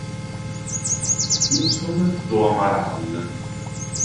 Gilson do Amaral